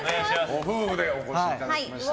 ご夫婦でお越しいただきました